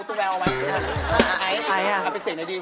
ไแล้วไอเอาไปเสียหน่ายดี